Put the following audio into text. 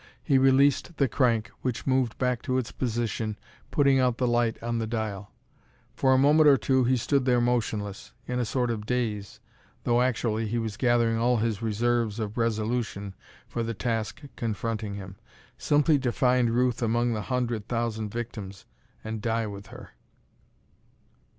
He released the crank, which moved back to its position, putting out the light on the dial. For a moment or two he stood there motionless, in a sort of daze, though actually he was gathering all his reserves of resolution for the task confronting him. Simply to find Ruth among the hundred thousand victims, and die with her.